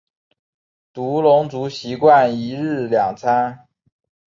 独龙族习惯一日两餐。